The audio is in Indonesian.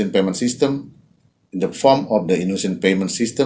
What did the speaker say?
dalam bentuk sistem pembayaran inovasi